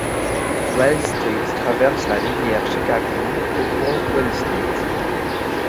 Wells Street traverse la rivière Chicago au pont Wells Street.